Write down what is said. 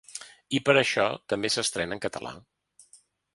I per això també s’estrena en català.